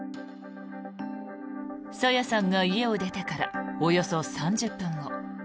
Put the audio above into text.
朝芽さんが家を出てからおよそ３０分後。